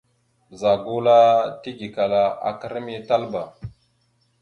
Ɓəza gula tigekala aka ram ya Talba.